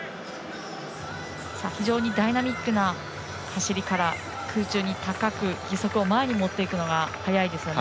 非常にダイナミックな走りから空中に高く義足を前に持っていくのが早いですよね。